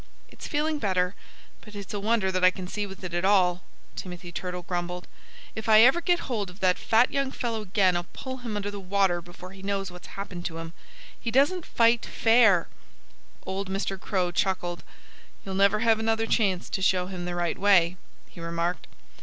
"It's feeling better; but it's a wonder that I can see with it at all," Timothy Turtle grumbled. "If I ever get hold of that fat young fellow again I'll pull him under the water before he knows what's happened to him. He doesn't fight fair." Old Mr. Crow chuckled. "You'll never have another chance to show him the right way," he remarked.